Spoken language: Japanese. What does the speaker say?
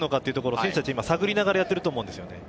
選手たちは探りながらやっていると思うんですよね。